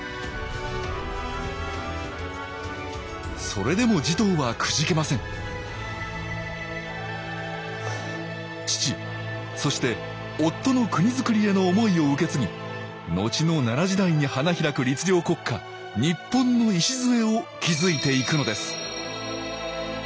それでも持統はくじけません父そして夫の国づくりへの思いを受け継ぎのちの奈良時代に花開く律令国家日本の礎を築いていくのです